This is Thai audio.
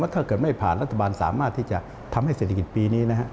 ถ้าเกิดไม่ผ่านรัฐบาลสามารถที่จะทำให้เศรษฐกิจปีนี้นะฮะ